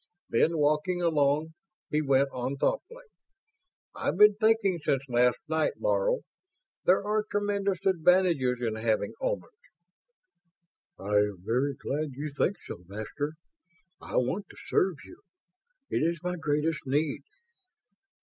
Then, walking along, he went on thoughtfully. "I've been thinking since last night, Laro. There are tremendous advantages in having Omans ..." "I am very glad you think so, Master. I want to serve you. It is my greatest need."